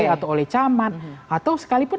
atau oleh camat atau sekalipun